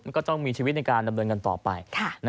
ก็ต้องมีชีวิตในการดำเนินกันต่อไป